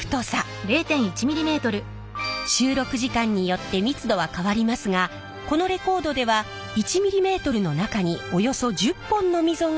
収録時間によって密度は変わりますがこのレコードでは１ｍｍの中におよそ１０本の溝が彫られています。